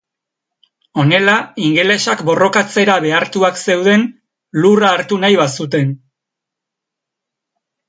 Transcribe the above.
Honela ingelesak borrokatzera behartuak zeuden lurra hartu nahi bazuten.